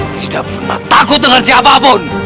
tidak pernah takut dengan siapapun